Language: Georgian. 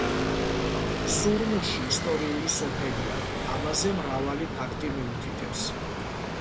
სურმუში ისტორიული სოფელია, ამაზე მრავალი ფაქტი მიუთითებს.